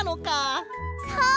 そう！